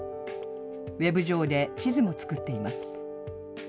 ウェブ上で地図も作っています。